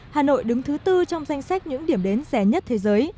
hà nội đứng thứ tư trong danh sách những điểm đến rẻ nhất thế giới